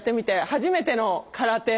初めての空手。